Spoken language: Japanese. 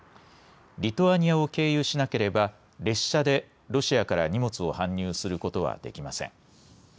リトアニアを経由しなければ列車でロシアから荷物を搬入することはできません。